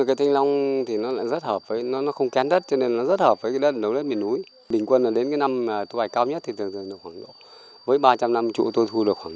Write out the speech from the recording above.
cây thanh long ruột đỏ rất hợp với nông thôn miền núi bởi lẽ rằng chúng tôi vẫn bán được từ hai mươi năm đến ba mươi cân